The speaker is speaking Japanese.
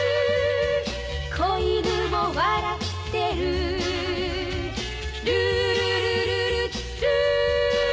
「小犬も笑ってる」「ルールルルルルー」